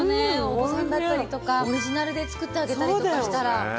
お子さんだったりとかオリジナルで作ってあげたりとかしたら。